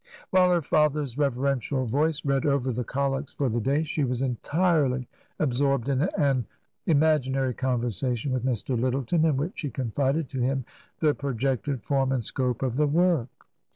While her father's reverential voice read over the collects for the day, she was entirely absorbed in an imaginary conversation with Mr. Lyttleton, in which she confided to him the pro jected form and scope of the work.